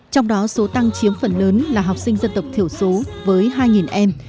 trong đó số tăng chiếm phần lớn là học sinh dân tộc thiểu số với hai em